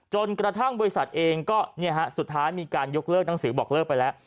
จนกระทั่งบริษัทเองก็สุดท้ายมีการยกเลิกหนังสือบอกเลิกไปแล้ว